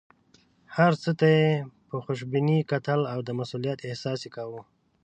هر څه ته یې په خوشبینۍ کتل او د مسوولیت احساس یې کاوه.